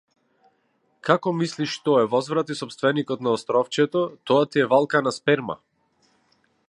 Како мислиш што е, возврати сопственикот на островчето, тоа ти е валкана сперма.